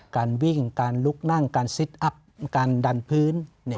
การวิ่งการลุกนั่งการซิตอัพการดันพื้น